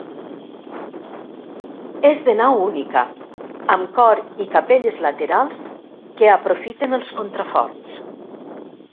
És de nau única, amb cor i capelles laterals que aprofiten els contraforts.